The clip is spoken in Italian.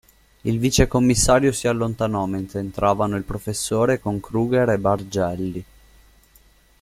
Il vicecommissario si allontanò mentre entravano il professore con Kruger e Bargelli.